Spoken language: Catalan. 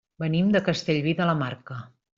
Venim de Castellví de la Marca.